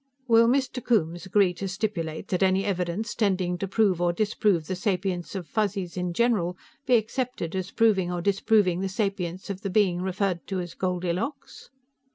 "Will Mr. Coombes agree to stipulate that any evidence tending to prove or disprove the sapience of Fuzzies in general be accepted as proving or disproving the sapience of the being referred to as Goldilocks?"